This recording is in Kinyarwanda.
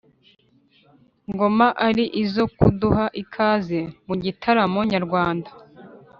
ngoma ari izo kuduha ikaze mu gitaramo nyarwanda.